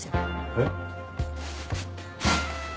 えっ？